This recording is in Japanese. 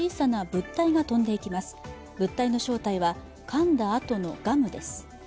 物体の正体は、かんだあとのガムです。